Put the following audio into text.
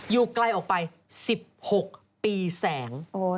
อยู่ไกลออกไป๑๖ปีแสง